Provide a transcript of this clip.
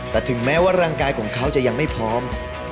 แต่ถึงแม้ว่าร่างกายของเขาจะยังไม่พร้อม